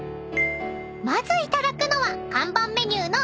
［まずいただくのは看板メニューの］